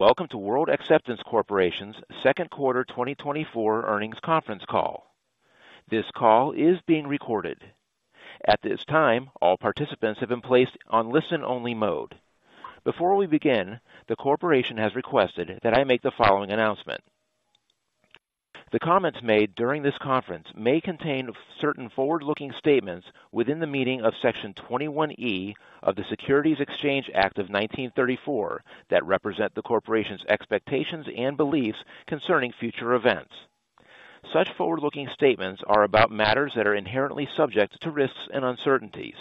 Welcome to World Acceptance Corporation's second quarter 2024 earnings conference call. This call is being recorded. At this time, all participants have been placed on listen-only mode. Before we begin, the corporation has requested that I make the following announcement. The comments made during this conference may contain certain forward-looking statements within the meaning of Section 21E of the Securities Exchange Act of 1934, that represent the corporation's expectations and beliefs concerning future events. Such forward-looking statements are about matters that are inherently subject to risks and uncertainties.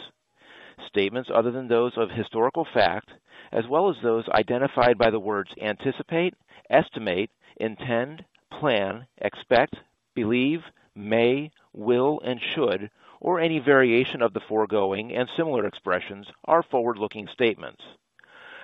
Statements other than those of historical fact, as well as those identified by the words anticipate, estimate, intend, plan, expect, believe, may, will, and should, or any variation of the foregoing and similar expressions, are forward-looking statements.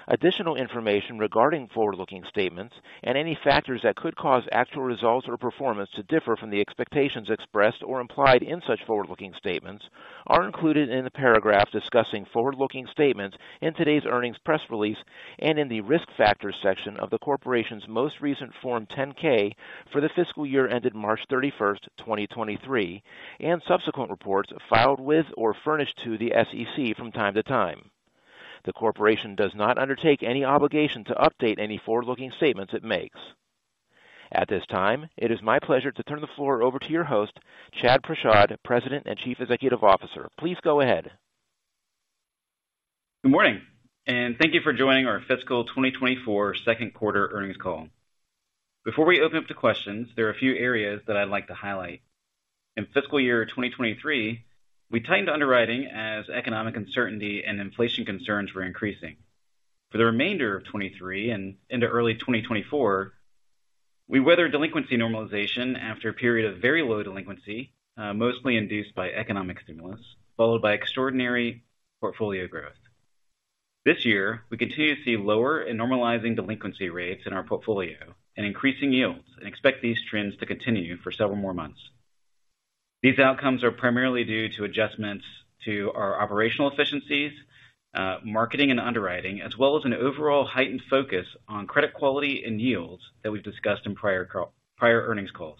Additional information regarding forward-looking statements and any factors that could cause actual results or performance to differ from the expectations expressed or implied in such forward-looking statements are included in the paragraph discussing forward-looking statements in today's earnings press release and in the Risk Factors section of the corporation's most recent Form 10-K for the fiscal year ended March 31st, 2023, and subsequent reports filed with or furnished to the SEC from time to time. The corporation does not undertake any obligation to update any forward-looking statements it makes. At this time, it is my pleasure to turn the floor over to your host, Chad Prashad, President and Chief Executive Officer. Please go ahead. Good morning. Thank you for joining our fiscal 2024 second quarter earnings call. Before we open up to questions, there are a few areas that I'd like to highlight. In fiscal year 2023, we tightened underwriting as economic uncertainty and inflation concerns were increasing. For the remainder of 2023 and into early 2024, we weathered delinquency normalization after a period of very low delinquency, mostly induced by economic stimulus, followed by extraordinary portfolio growth. This year, we continue to see lower and normalizing delinquency rates in our portfolio and increasing yields, and expect these trends to continue for several more months. These outcomes are primarily due to adjustments to our operational efficiencies, marketing and underwriting, as well as an overall heightened focus on credit quality and yields that we've discussed in prior earnings calls.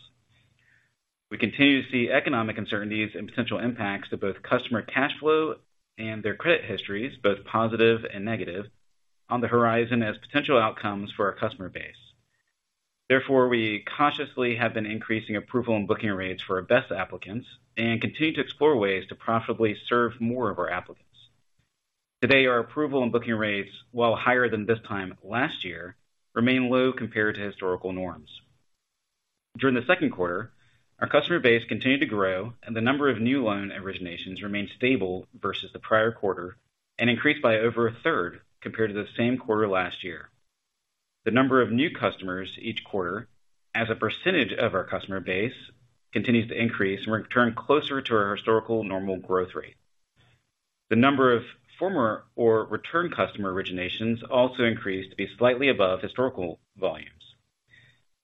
"as a percentage of our customer base" Rule: "Convert all text percent or percentages to % symbol". So "as a % of our customer base". One final check on "second quarter". Rule: "Spell out numbers 1-9 in running text". "second" is 2. So words. Correct. One final check on "Therefore". Rule: "Remove unnecessary starter conjunctions (And, But, So, Or, Then) from the beginning of sentences only if doing so does not alter or impact the meaning." "Therefore" is not in the list. Correct. One final check on "last year". No change. One final check on "prio The number of former or return customer originations also increased to be slightly above historical volumes.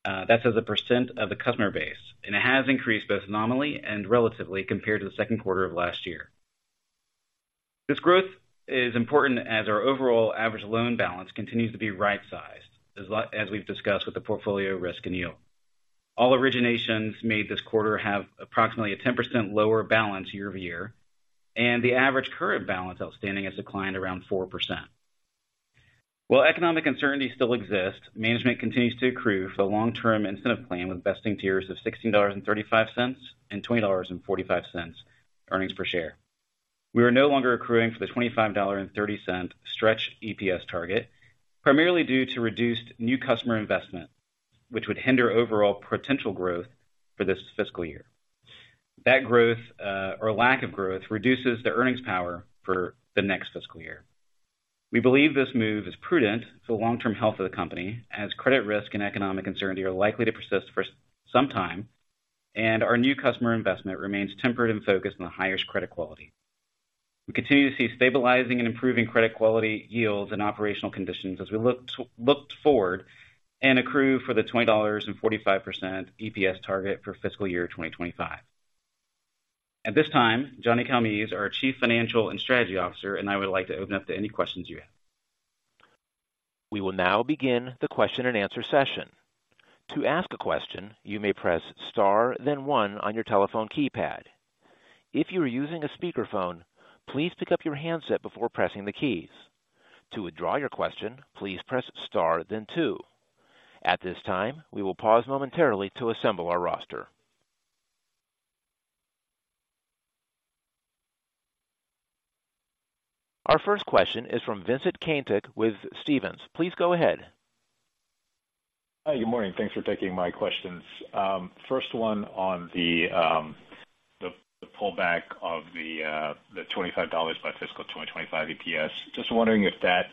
That's as a % of the customer base, and it has increased both nominally and relatively compared to the second quarter of last year. This growth is important as our overall average loan balance continues to be right-sized, as we've discussed with the portfolio risk and yield. All originations made this quarter have approximately a 10% lower balance year-over-year, and the average current balance outstanding has declined around 4%. While economic uncertainty still exists, management continues to accrue for the long-term incentive plan, with vesting tiers of $16.35 and $20.45 earnings per share. We are no longer accruing for the $25.30 stretch EPS target, primarily due to reduced new customer investment, which would hinder overall potential growth for this fiscal year. That growth or lack of growth reduces the earnings power for the next fiscal year. We believe this move is prudent for the long-term health of the company, as credit risk and economic uncertainty are likely to persist for some time, and our new customer investment remains tempered and focused on the highest credit quality. We continue to see stabilizing and improving credit quality yields and operational conditions as we looked forward and accrue for the $20.45 EPS target for fiscal year 2025. At this time, Johnny Calmes, our Chief Financial and Strategy Officer, and I would like to open up to any questions you have. We will now begin the question-and-answer session. To ask a question, you may press Star, then one on your telephone keypad. If you are using a speakerphone, please pick up your handset before pressing the keys. To withdraw your question, please press Star, then two. At this time, we will pause momentarily to assemble our roster. Our first question is from Vincent Caintic with Stephens. Please go ahead. Hi, good morning. Thanks for taking my questions. First one on the pullback of the $25 by fiscal 2025 EPS. Just wondering if that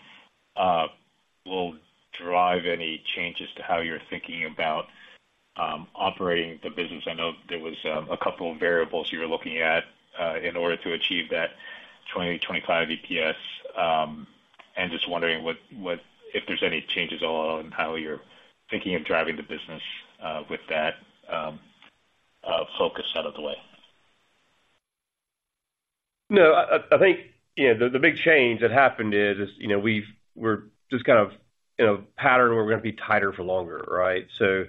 will drive any changes to how you're thinking about operating the business. I know there was a couple of variables you were looking at in order to achieve that 2025 EPS. Just wondering if there's any changes at all on how you're thinking of driving the business with that focus out of the way? No, I think, you know, the big change that happened is, you know, we're just kind of in a pattern where we're going to be tighter for longer, right? You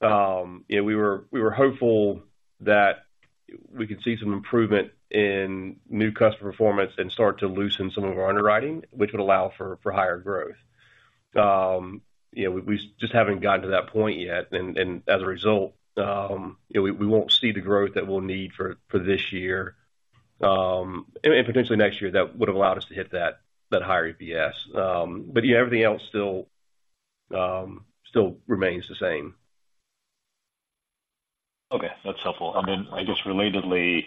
know, we were hopeful that we could see some improvement in new customer performance and start to loosen some of our underwriting, which would allow for higher growth. You know, we just haven't gotten to that point yet, and as a result, you know, we won't see the growth that we'll need for this year and potentially next year, that would have allowed us to hit that higher EPS. But, yeah, everything else still remains the same. Okay, that's helpful. I guess relatedly,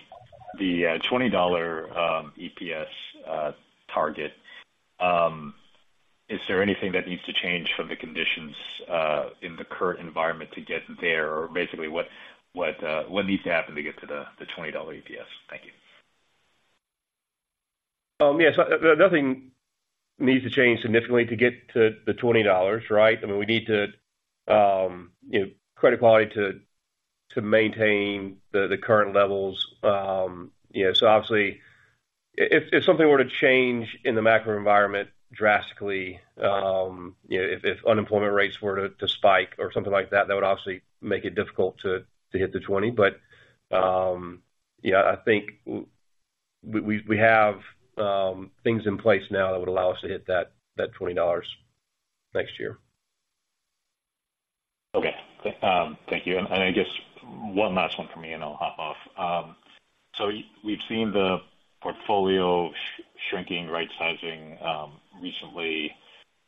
the $20 EPS target, is there anything that needs to change from the conditions in the current environment to get there? Basically, what needs to happen to get to the $20 EPS? Thank you. Yes, nothing needs to change significantly to get to the $20, right? I mean, we need to, you know, credit quality to maintain the current levels. You know, obviously, if something were to change in the macro environment drastically, you know, if unemployment rates were to spike or something like that, that would obviously make it difficult to hit the $20. Yeah, I think we have things in place now that would allow us to hit that $20 next year. Okay. Thank you. I guess one last one from me, and I'll hop off. We've seen the portfolio shrinking, right-sizing recently.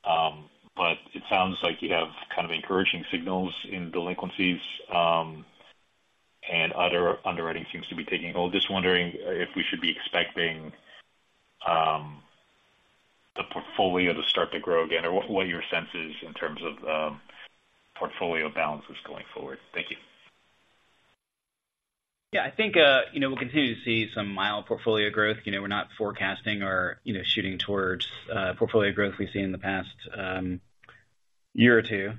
It sounds like you have kind of encouraging signals in delinquencies, and other underwriting seems to be taking hold. Just wondering if we should be expecting the portfolio to start to grow again, or what are your senses in terms of portfolio balances going forward? Thank you. Yeah, I think, you know, we'll continue to see some mild portfolio growth. You know, we're not forecasting or, you know, shooting towards portfolio growth we've seen in the past year or two.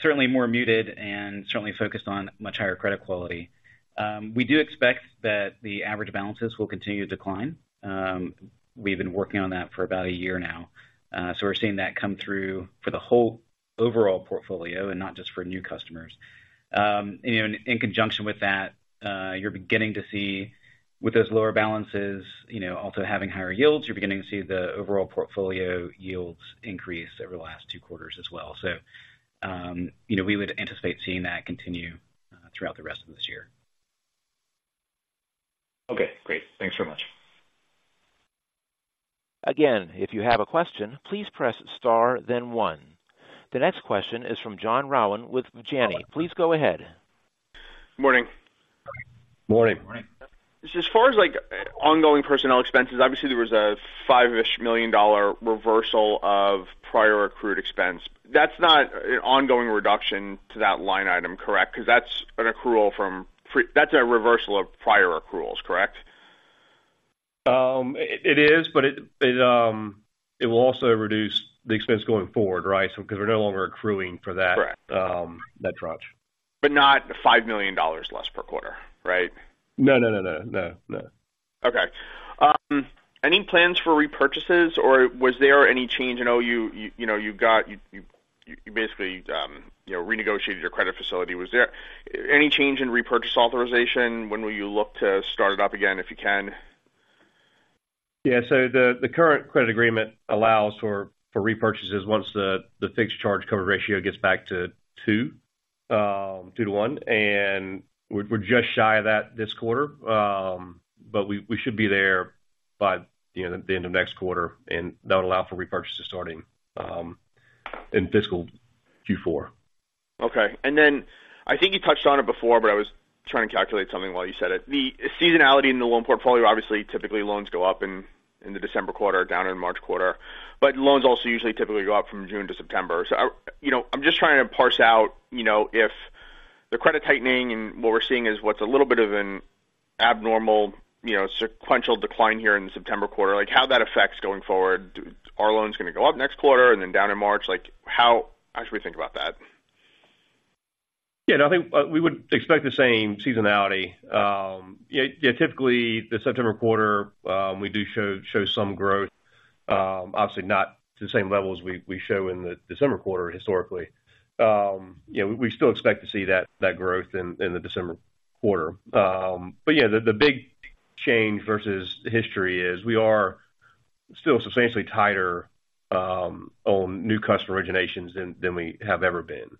Certainly more muted and certainly focused on much higher credit quality. We do expect that the average balances will continue to decline. We've been working on that for about a year now. We're seeing that come through for the whole overall portfolio and not just for new customers. You know, and in conjunction with that, you're beginning to see with those lower balances, you know, also having higher yields, you're beginning to see the overall portfolio yields increase over the last two quarters as well. You know, we would anticipate seeing that continue throughout the rest of this year. Okay, great. Thanks so much. Again, if you have a question, please press star, then 1. The next question is from John Rowan with Janney. Please go ahead. Morning. Morning. Morning. As far as, like, ongoing personnel expenses, obviously there was a $5-ish million reversal of prior accrued expense. That's not an ongoing reduction to that line item, correct? Because that's a reversal of prior accruals, correct? It is, but it will also reduce the expense going forward, right? Because we're no longer accruing for that. Correct. That tranche. Not $5 million less per quarter, right? No, no, no, no. No, no. Okay. Any plans for repurchases, or was there any change? I know you, you know, you basically, you know, renegotiated your credit facility. Was there any change in repurchase authorization? When will you look to start it up again, if you can? Yeah, the current credit agreement allows for repurchases once the Fixed Charge Coverage Ratio gets back to 2:1, and we're just shy of that this quarter. But we should be there by, you know, the end of next quarter, and that would allow for repurchases starting in fiscal Q4. Okay. I think you touched on it before, but I was trying to calculate something while you said it. The seasonality in the loan portfolio, obviously, typically loans go up in the December quarter, down in the March quarter, but loans also usually typically go up from June to September. I, you know, I'm just trying to parse out, you know, if the credit tightening and what we're seeing is what's a little bit of an abnormal, you know, sequential decline here in the September quarter, like, how that affects going forward. Are loans going to go up next quarter and then down in March? Like, how should we think about that? Yeah, no, I think we would expect the same seasonality. Yeah, yeah, typically, the September quarter, we do show some growth, obviously not to the same level as we show in the December quarter historically. You know, we still expect to see that growth in the December quarter. Yeah, the big change versus history is we are still substantially tighter on new customer originations than we have ever been.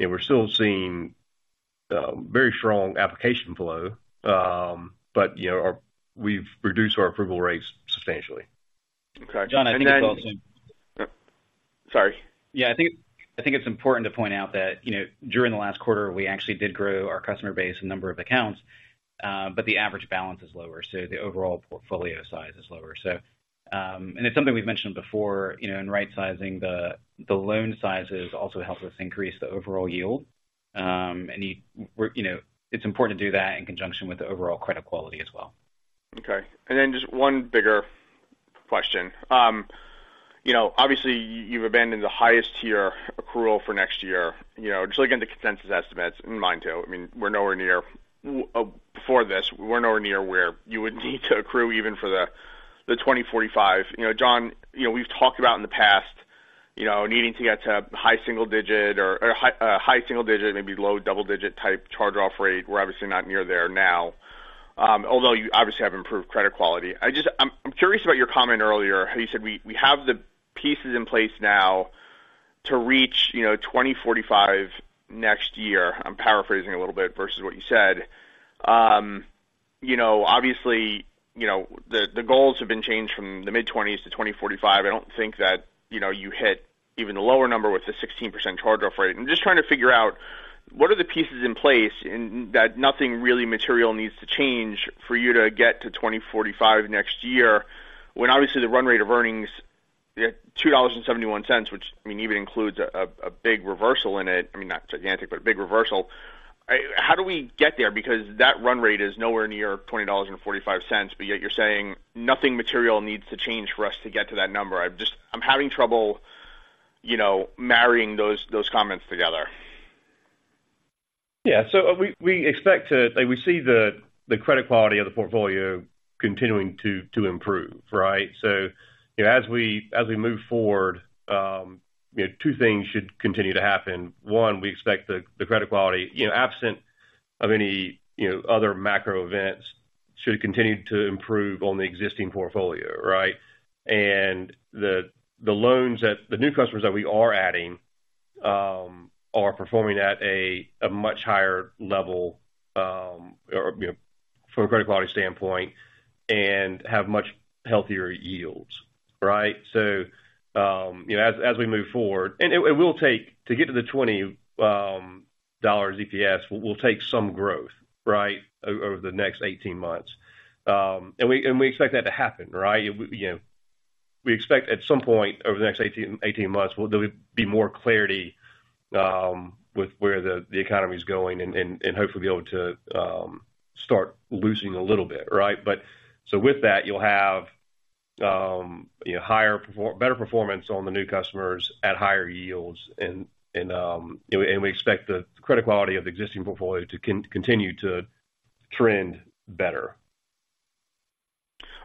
We're still seeing very strong application flow, but, you know, we've reduced our approval rates substantially. Okay. John, I think. Sorry. Yeah. I think it's important to point out that, you know, during the last quarter, we actually did grow our customer base a number of accounts, but the average balance is lower, so the overall portfolio size is lower. It's something we've mentioned before, you know, right-sizing the loan sizes also helps us increase the overall yield. You know, it's important to do that in conjunction with the overall credit quality as well. Okay, just one bigger question. You know, obviously, you've abandoned the highest tier accrual for next year. You know, just looking at the consensus estimates and mine, too, I mean, we're nowhere near, before this, we're nowhere near where you would need to accrue even for the $20.45. You know, John, you know, we've talked about in the past, you know, needing to get to high single-digit or high, high single-digit, maybe low double-digit type charge-off rate. We're obviously not near there now, although you obviously have improved credit quality. I'm curious about your comment earlier, how you said, we have the pieces in place now to reach, you know, $20.45 next year. I'm paraphrasing a little bit versus what you said. You know, obviously, you know, the goals have been changed from the mid-$20s to $20.45. I don't think that, you know, you hit even the lower number with the 16% charge-off rate. I'm just trying to figure out what are the pieces in place and that nothing really material needs to change for you to get to $20.45 next year, when obviously the run rate of earnings, $2.71, which, I mean, even includes a big reversal in it, I mean, not gigantic, but a big reversal. How do we get there? Because that run rate is nowhere near $20.45, but yet you're saying nothing material needs to change for us to get to that number. I'm just having trouble, you know, marrying those comments together. You know, we expect at some point over the next 18 months, there will be more clarity with where the economy is going and hopefully be able to start losing a little bit, right? So with that, you'll have, you know, better performance on the new customers at higher yields, and we expect the credit quality of the existing portfolio to continue to trend better.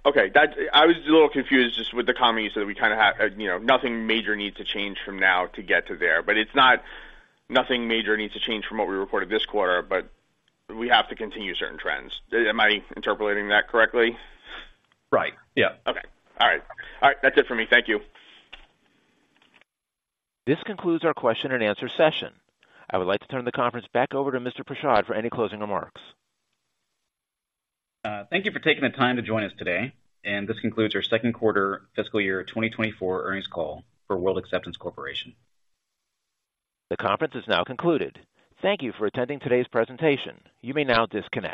Okay, I was a little confused just with the comment you said, we kind of have, you know, nothing major needs to change from now to get to there, but it's not nothing major needs to change from what we reported this quarter, but we have to continue certain trends. Am I interpolating that correctly? Right. Yeah. Okay. All right. All right, that's it for me. Thank you. This concludes our question and answer session. I would like to turn the conference back over to Mr. Prashad for any closing remarks. Thank you for taking the time to join us today, and this concludes our second quarter fiscal year 2024 earnings call for World Acceptance Corporation. The conference is now concluded. Thank you for attending today's presentation. You may now disconnect.